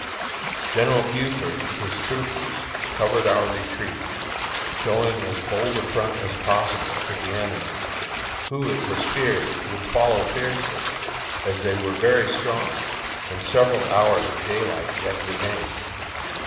General Buford, with his troopers, covered our retreat, showing as bold a front as possible to the enemy, who, it was feared, would follow fiercely, as they were very strong and several hours of daylight yet remained.